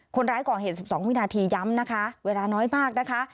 คนร้ายก่อเหตุ๑๒วินาทีย้ำนะคะเวลาน้อยมากนะคะ